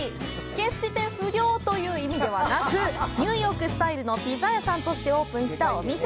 決して「不良」という意味ではなく、ニューヨークスタイルのピザ屋さんとしてオープンしたお店。